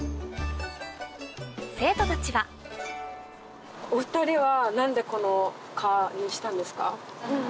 生徒たちはお２人は何でこの科にしたんですか？